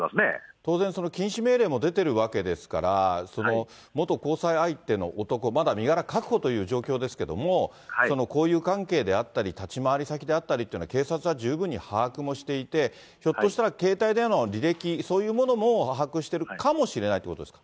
当然、禁止命令も出てるわけですから、その元交際相手の男、まだ身柄確保という状況ですけれども、交友関係であったり、立ち回り先であったりというのは、警察は十分に把握もしていて、ひょっとしたら携帯電話の履歴、そういうものも把握してるかもしれないということですか。